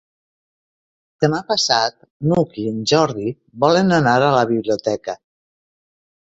Demà passat n'Hug i en Jordi volen anar a la biblioteca.